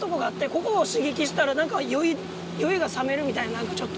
ここを刺激したら酔いがさめるみたいな何かちょっと。